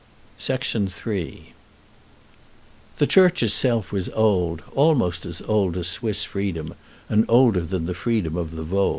III The church itself was old almost as old as Swiss freedom, and older than the freedom of the Vaud.